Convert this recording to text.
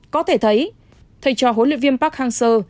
có thể thấy thầy trò hội luyện viên park hang seo